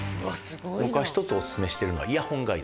僕は一つオススメしてるのはイヤホンガイド。